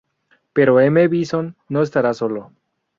Pero M. Bison no estará solo.